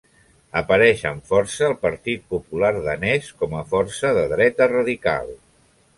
Apareix amb força el Partit Popular Danès com a força de dreta radical.